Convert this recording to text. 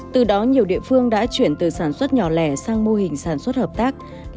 từ đó nhiều địa phương đã chuyển từ sản xuất nhỏ lẻ sang mô hình sản xuất hợp tác